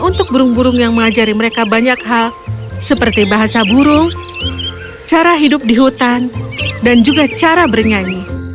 untuk burung burung yang mengajari mereka banyak hal seperti bahasa burung cara hidup di hutan dan juga cara bernyanyi